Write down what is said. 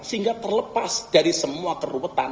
sehingga terlepas dari semua keruwetan